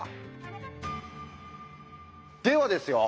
ではですよ